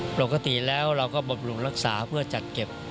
ปกติแล้วเราก็บำรุงรักษาเพื่อจัดเก็บ